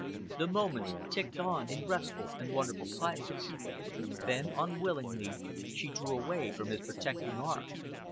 The moments ticked on in restful and wonderful silence. Then, unwillingly, she drew away from his protecting arm.